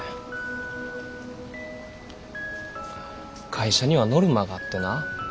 会社にはノルマがあってな